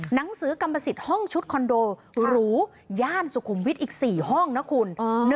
หนังสือกรรมสิทธิ์ห้องชุดคอนโดหรูย่านสุขุมวิทย์อีก๔ห้องนะคุณ